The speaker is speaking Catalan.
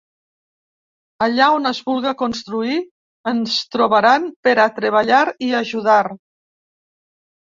Allà on es vulga construir, ens trobaran per a treballar i ajudar.